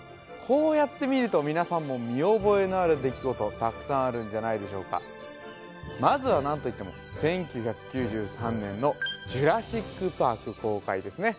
こうやって見ると皆さんも見覚えのある出来事たくさんあるんじゃないでしょうかまずは何といっても１９９３年の「ジュラシック・パーク」公開ですね